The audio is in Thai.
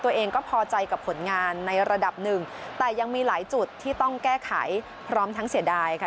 ตัวเองก็พอใจกับผลงานในระดับหนึ่งแต่ยังมีหลายจุดที่ต้องแก้ไขพร้อมทั้งเสียดายค่ะ